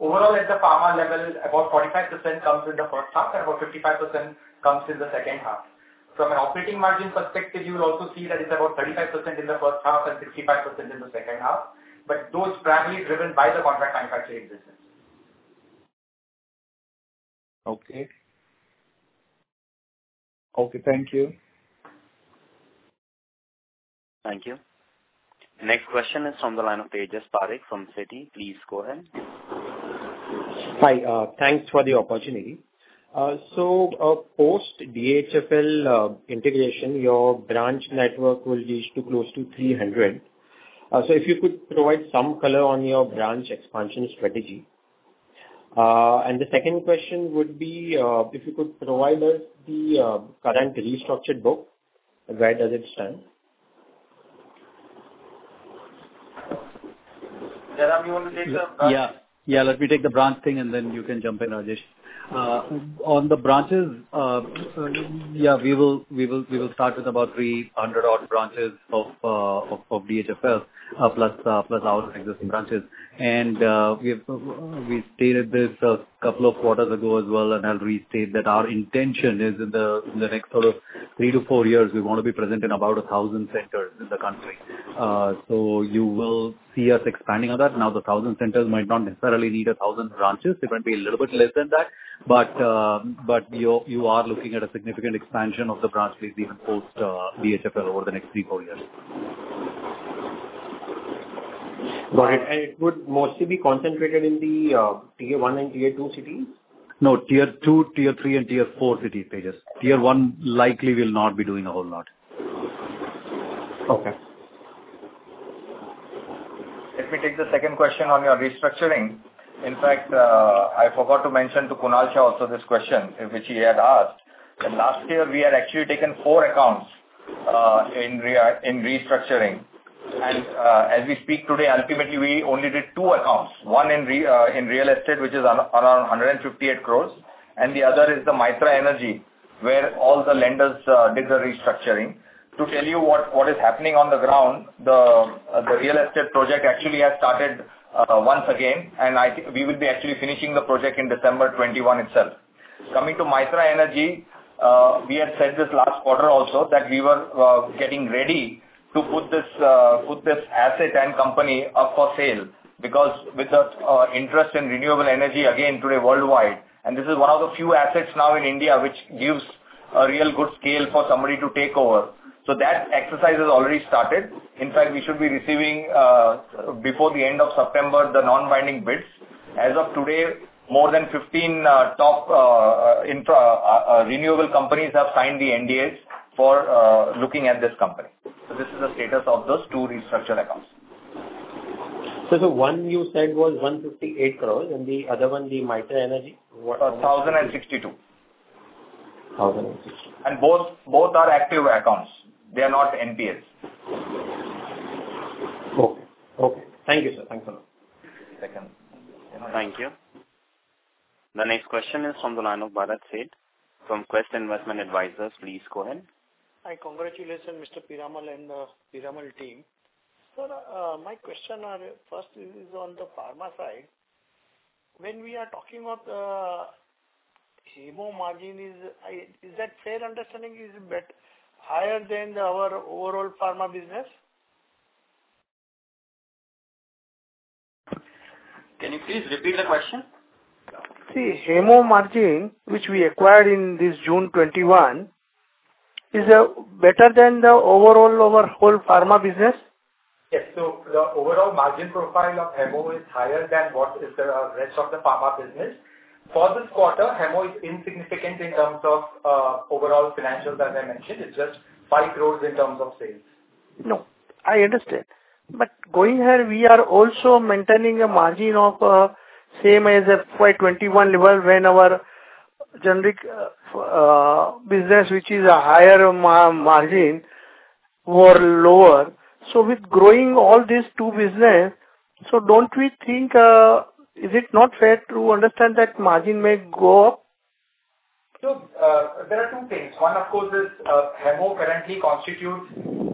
overall at the pharma level, about 45% comes in the first half and about 55% comes in the second half. From an operating margin perspective, you will also see that it's about 35% in the first half and 65% in the second half. Those primarily driven by the contract manufacturing business. Okay. Okay, thank you. Thank you. Next question is from the line of Tejas Parekh from Citi. Please go ahead. Hi. Thanks for the opportunity. Post-DHFL integration, your branch network will reach to close to 300 branches. If you could provide some color on your branch expansion strategy. The second question would be, if you could provide us the current restructured book, where does it stand? Jairam, you want to take the? Let me take the branch thing and then you can jump in, Rajesh. On the branches, we will start with about 300 odd branches of DHFL, plus our existing branches. We stated this a couple of quarters ago as well. I'll restate that our intention is in the next sort of three to four years, we want to be present in about 1,000 centers in the country. You will see us expanding on that. Now, the 1,000 centers might not necessarily need 1,000 branches. It might be a little bit less than that. You are looking at a significant expansion of the branch base even post-DHFL over the next three to four years. Got it. It would mostly be concentrated in the Tier 1 and Tier 2 cities? No, Tier 2, Tier 3 and Tier 4 cities, Tejas. Tier 1, likely we'll not be doing a whole lot. Okay. Let me take the second question on your restructuring. In fact, I forgot to mention to Kunal Shah also this question, which he had asked. Last year, we had actually taken four accounts in restructuring. As we speak today, ultimately, we only did two accounts. One in real estate, which is around 158 crore, and the other is the Mytrah Energy, where all the lenders did the restructuring. To tell you what is happening on the ground, the real estate project actually has started once again. I think we will be actually finishing the project in December 2021 itself. Coming to Mytrah Energy, we had said this last quarter also that we were getting ready to put this asset and company up for sale, because with the interest in renewable energy again today worldwide. This is one of the few assets now in India, which gives a real good scale for somebody to take over. That exercise has already started. In fact, we should be receiving, before the end of September, the non-binding bids. As of today, more than 15 top renewable companies have signed the NDAs for looking at this company. This is the status of those two restructure accounts. The one you said was 158 crore, and the other one, the Mytrah Energy, what? 1,062 crore. 1,062 crore. Both are active accounts. They are not NPAs. Okay. Thank you, sir. Thanks a lot. Thank you. Thank you. The next question is from the line of Bharat Sheth from Quest Investment Advisors. Please go ahead. Hi. Congratulations, Mr. Piramal and the Piramal team. Sir, my question first is on the pharma side. When we are talking of Hemmo margin, is that fair understanding, is it higher than our overall Pharma business? Can you please repeat the question? Hemmo margin, which we acquired in this June 2021, is better than the overall our whole Pharma business? Yes. The overall margin profile of Hemmo is higher than what is the rest of the Pharma business. For this quarter, Hemmo is insignificant in terms of overall financials, as I mentioned. It's just 5 crore in terms of sales. No, I understand. Going ahead, we are also maintaining a margin of same as FY 2021 level when our Generic business, which is a higher margin, were lower. With growing all these two business, so don't we think... Is it not fair to understand that margin may go up? There are two things. One, of course, is Hemmo currently constitutes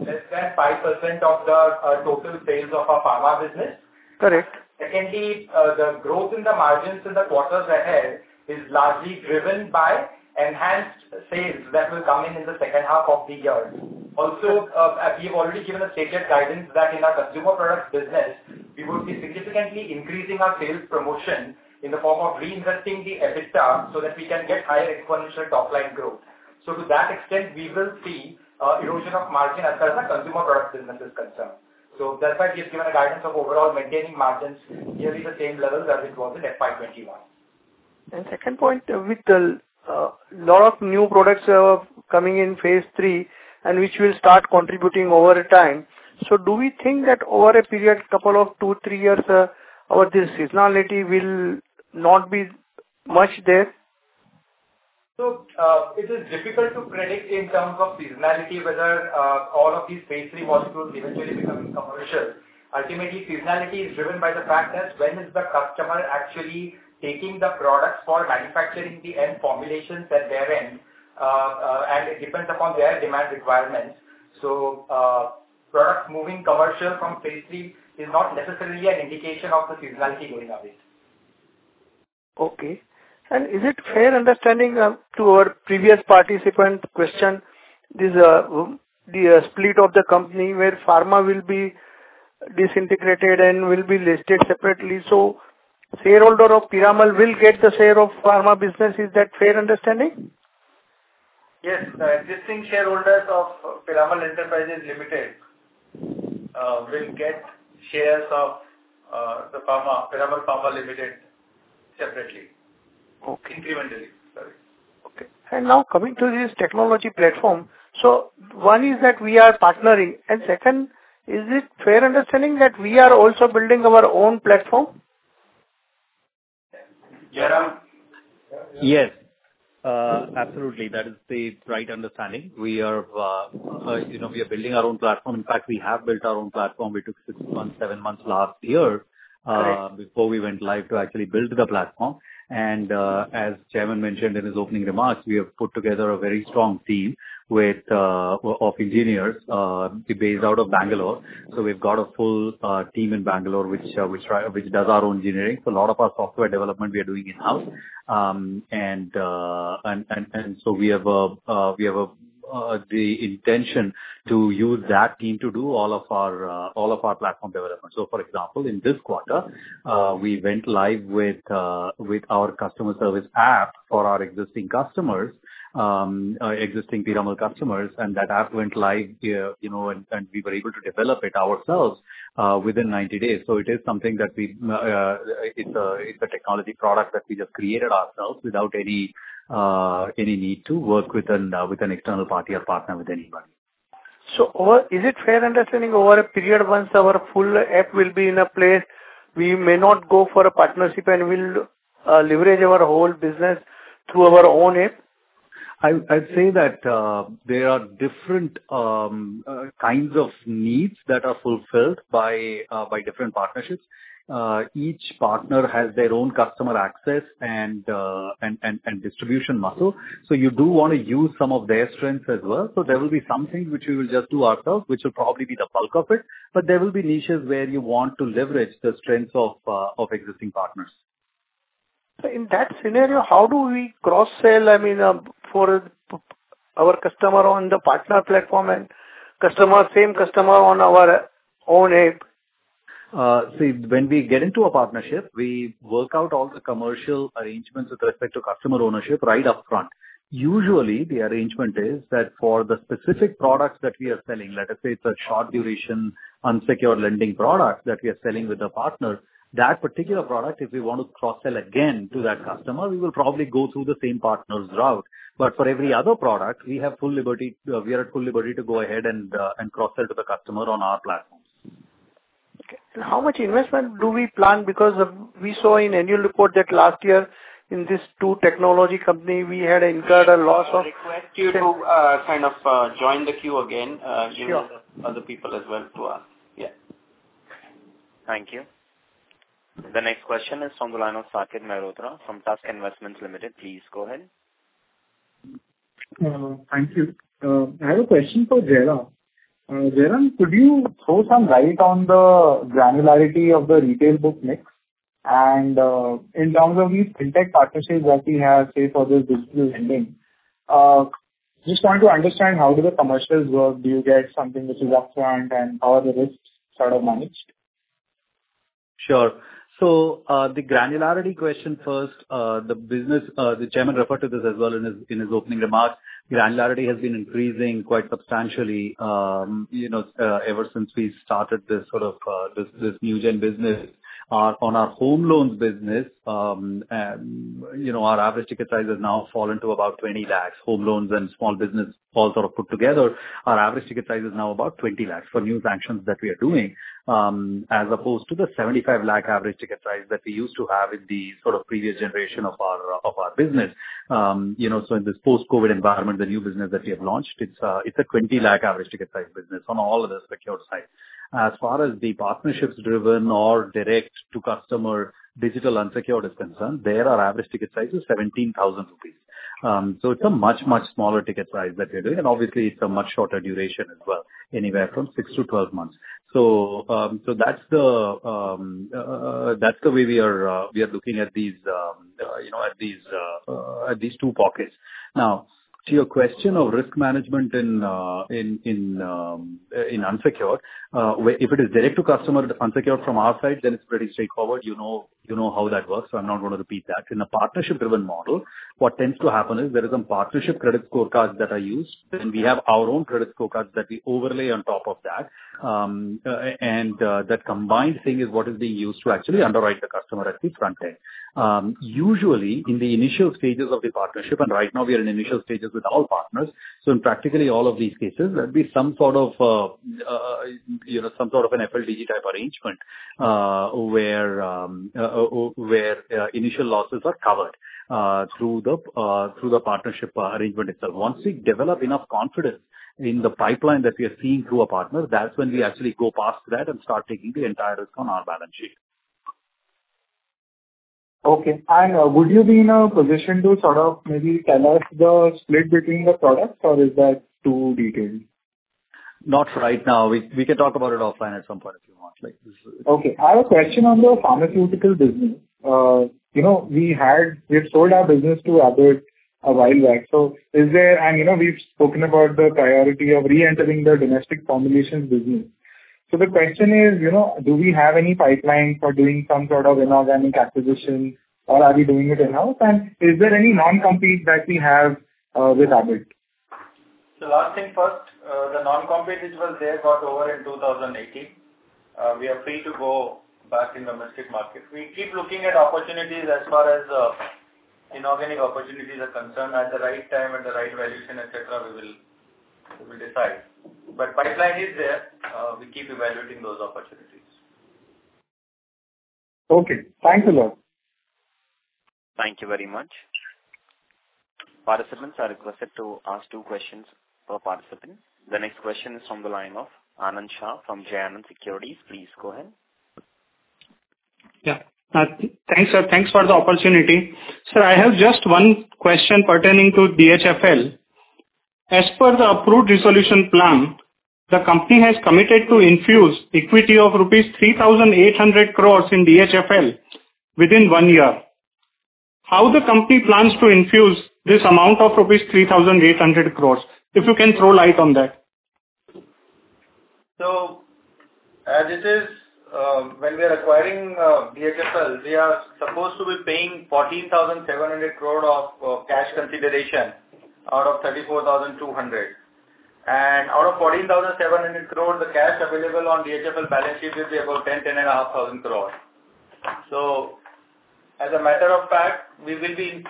less than 5% of the total sales of our Pharma business. Correct. Secondly, the growth in the margins in the quarters ahead is largely driven by enhanced sales that will come in the second half of the year. We've already given a stated guidance that in our consumer products business, we will be significantly increasing our sales promotion in the form of reinvesting the EBITDA so that we can get higher exponential top-line growth. To that extent, we will see erosion of margin as far as our Consumer Product business is concerned. That's why we've given a guidance of overall maintaining margins nearly the same level as it was at FY 2021. Second point. With a lot of new products coming in phase III, and which will start contributing over time, do we think that over a period of two years, three years, our seasonality will not be much there? It is difficult to predict in terms of seasonality whether all of these phase III molecules eventually becoming commercial. Ultimately, seasonality is driven by the fact that, when is the customer actually taking the products for manufacturing the end formulations at their end, and it depends upon their demand requirements. Product moving commercial from phase III is not necessarily an indication of the seasonality going away. Okay. Is it fair understanding to our previous participant question, the split of the company where pharma will be disintegrated and will be listed separately. Shareholder of Piramal will get the share of Pharma business. Is that fair understanding? Yes. The existing shareholders of Piramal Enterprises Limited will get shares of the Piramal Pharma Limited separately. Okay. Incrementally. Sorry. Okay. Now coming to this technology platform. One is that we are partnering, and second, is it fair understanding that we are also building our own platform? Jairam. Yes. Absolutely. That is the right understanding. We are building our own platform. In fact, we have built our own platform. We took six months, seven months last year- Right.... before we went live to actually build the platform. As Chairman mentioned in his opening remarks, we have put together a very strong team of engineers based out of Bangalore. We've got a full team in Bangalore, which does our own engineering, for a lot of our software development we are doing in-house. We have the intention to use that team to do all of our platform development. For example, in this quarter, we went live with our customer service app for our existing Piramal customers, and that app went live and we were able to develop it ourselves within 90 days. It's a technology product that we just created ourselves without any need to work with an external party or partner with anybody. Is it fair understanding over a period once our full app will be in a place, we may not go for a partnership and we'll leverage our whole business through our own app? I'd say that there are different kinds of needs that are fulfilled by different partnerships. Each partner has their own customer access and distribution muscle. You do want to use some of their strengths as well. There will be some things which we will just do ourselves, which will probably be the bulk of it. There will be niches where you want to leverage the strengths of existing partners. In that scenario, how do we cross-sell, I mean, for our customer on the partner platform and same customer on our own app? See, when we get into a partnership, we work out all the commercial arrangements with respect to customer ownership right upfront. Usually, the arrangement is that for the specific products that we are selling, let us say it's a short duration unsecured lending product that we are selling with a partner, that particular product, if we want to cross-sell again to that customer, we will probably go through the same partner's route. For every other product, we are at full liberty to go ahead and cross-sell to the customer on our platforms. Okay. How much investment do we plan? Because we saw in annual report that last year in these two technology company, we had incurred a loss of- I request you to kind of join the queue again- Sure.... give other people as well to ask. Yeah. Thank you. The next question is from the line of Saket Mehrotra from Tusk Investments Limited. Please go ahead. Thank you. I have a question for Jairam. Jairam, could you throw some light on the granularity of the retail book mix? In terms of these fintech partnerships that we have, say, for this business lending. Just want to understand how do the commercials work, do you get something which is upfront and how are the risks sort of managed? Sure. The granularity question first. The Chairman referred to this as well in his opening remarks. Granularity has been increasing quite substantially ever since we started this new gen business. On our home loans business, our average ticket size has now fallen to about 20 lakh. Home loans and small business all sort of put together, our average ticket size is now about 20 lakh for new sanctions that we are doing, as opposed to the 75 lakh average ticket size that we used to have in the previous generation of our business. In this post-COVID environment, the new business that we have launched, it's a 20 lakh average ticket size business on all of the secured side. As far as the partnerships-driven or direct-to-customer digital unsecured is concerned, there our average ticket size is 17,000 rupees. It's a much, much smaller ticket size that we are doing, and obviously it's a much shorter duration as well. Anywhere from 6-12 months. That's the way we are looking at these two pockets. To your question of risk management in unsecured, where if it is direct to customer, the unsecured from our side, then it's pretty straightforward. You know how that works, I'm not going to repeat that. In a partnership-driven model, what tends to happen is there is some partnership credit scorecards that are used, and we have our own credit scorecards that we overlay on top of that. That combined thing is what is being used to actually underwrite the customer at the front end. Usually, in the initial stages of the partnership, right now we are in initial stages with all partners. In practically all of these cases, there'll be some sort of an FLDG type arrangement where initial losses are covered through the partnership arrangement itself. Once we develop enough confidence in the pipeline that we are seeing through a partner, that's when we actually go past that and start taking the entire risk on our balance sheet. Okay. Would you be in a position to sort of maybe tell us the split between the products, or is that too detailed? Not right now. We can talk about it offline at some point if you want. Okay. I have a question on your pharmaceutical business. We had sold our business to Abbott a while back. We've spoken about the priority of re-entering the domestic formulations business. The question is, do we have any pipeline for doing some sort of inorganic acquisition, or are we doing it in-house? Is there any non-compete that we have with Abbott? Last thing first, the non-compete which was there got over in 2018. We are free to go back in domestic markets. We keep looking at opportunities as far as inorganic opportunities are concerned. At the right time, at the right valuation, et cetera, we will decide. Pipeline is there. We keep evaluating those opportunities. Okay. Thanks a lot. Thank you very much. Participants are requested to ask two questions per participant. The next question is from the line of Anand Shah from Jay Anand Securities. Please go ahead. Yeah. Thanks, sir. Thanks for the opportunity. Sir, I have just one question pertaining to DHFL. As per the approved resolution plan, the company has committed to infuse equity of rupees 3,800 crore in DHFL within one year. How the company plans to infuse this amount of rupees 3,800 crore? If you can throw light on that. As it is, when we are acquiring DHFL, we are supposed to be paying 14,700 crore of cash consideration out of 34,200 crore. Out of 14,700 crore, the cash available on DHFL balance sheet will be about 10,000 crore-10,500 crore. As a matter of fact, we will be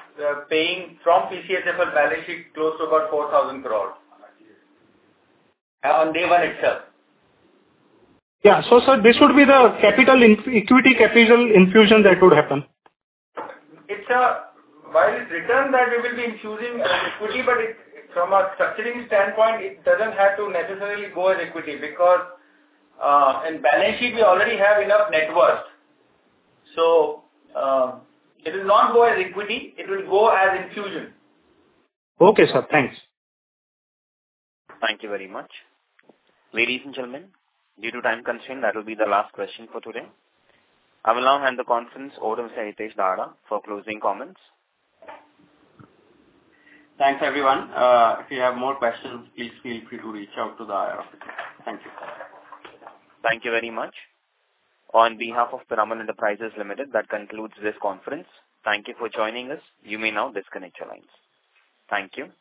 paying from PCHFL balance sheet close to about 4,000 crore on day one itself. Yeah. sir, this would be the equity capital infusion that would happen? While it's written that we will be infusing equity, from a structuring standpoint, it doesn't have to necessarily go as equity, because in balance sheet we already have enough net worth. It will not go as equity, it will go as infusion. Okay, sir. Thanks. Thank you very much. Ladies and gentlemen, due to time constraint, that will be the last question for today. I will now hand the conference over to Mr. Hitesh Dhaddha for closing comments. Thanks, everyone. If you have more questions, please feel free to reach out to the IR office. Thank you. Thank you very much. On behalf of Piramal Enterprises Limited, that concludes this conference. Thank you for joining us. You may now disconnect your lines. Thank you.